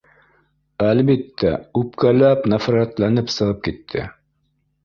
Әлбиттә, үпкәләп, нәфрәтләнеп сығып китте